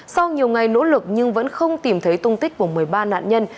sau nhiều ngày nỗ lực nhưng vẫn không tìm thấy tung tích của một mươi ba nạn nhân